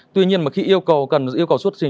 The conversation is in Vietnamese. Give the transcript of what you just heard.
tuy nhiên mà khi yêu cầu xuất trình